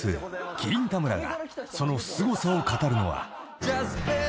麒麟田村がそのすごさを語るのは］